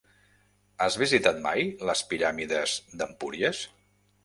Has visitat mai les piràmides d'Empúries?